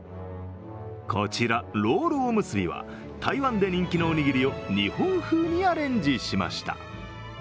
こちらロールおむすびは台湾で人気のおにぎりを日本風にアレンジしました。